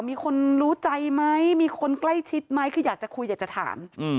มีคนรู้ใจไหมมีคนใกล้ชิดไหมคืออยากจะคุยอยากจะถาม